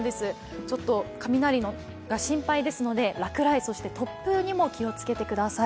雷が心配ですので、落雷、突風にも気をつけてください。